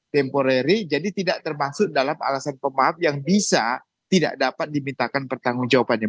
temporary jadi tidak termasuk dalam alasan pemaaf yang bisa tidak dapat dimintakan pertanggung jawabannya